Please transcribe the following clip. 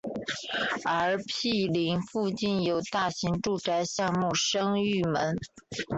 而毗邻附近有大型住宅项目升御门。